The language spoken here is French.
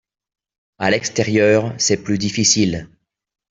À l’extérieur, c’est plus difficile.